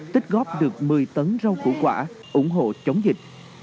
tích góp được một mươi tấn rau củ quả ủng hộ chống dịch